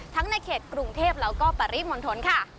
ในเขตกรุงเทพแล้วก็ปริมณฑลค่ะ